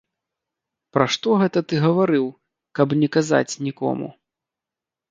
Пра што гэта ты гаварыў, каб не казаць нікому?